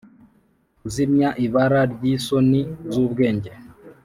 kuzimya ibara ryisoni zubwenge,